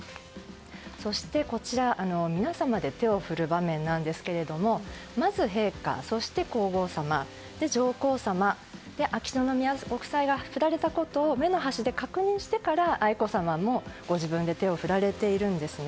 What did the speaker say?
そして、こちら皆様で手を振る場面なんですけれどもまず陛下、そして皇后さま上皇さま、秋篠宮ご夫妻が振られたことを目の端で確認してから愛子さまもご自分で手を振られているんです。